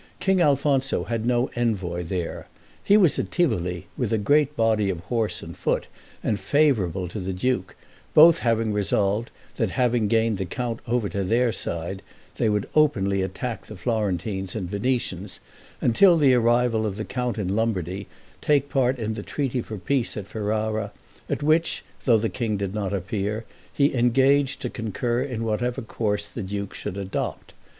King Alfonso had no envoy there. He was at Tivoli with a great body of horse and foot, and favorable to the duke; both having resolved, that having gained the count over to their side, they would openly attack the Florentines and Venetians, and till the arrival of the count in Lombardy, take part in the treaty for peace at Ferrara, at which, though the king did not appear, he engaged to concur in whatever course the duke should adopt.